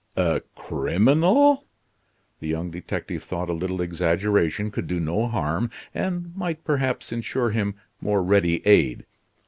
"A crim in al?" The young detective thought a little exaggeration could do no harm, and might perhaps insure him more ready aid.